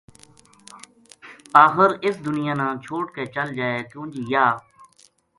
آخر اس دنیا نا چھوڈ کے چل جائے کیوں جے یاہ